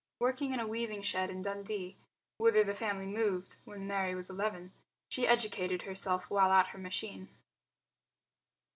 Working in a weaving shed in Dundee (whither the family moved when Mary was eleven) she educated herself while at her machine.